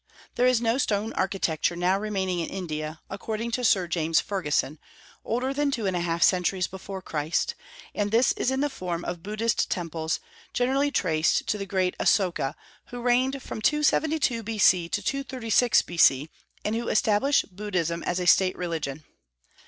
There is no stone architecture now remaining in India, according to Sir James Fergusson, older than two and a half centuries before Christ; and this is in the form of Buddhist temples, generally traced to the great Asoka, who reigned from 272 B.C. to 236 B.C., and who established Buddhism as a state religion.